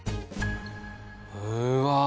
うわ！